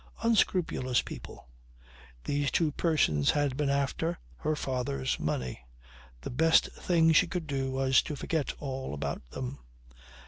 Unscrupulous people ... These two persons had been after her father's money. The best thing she could do was to forget all about them.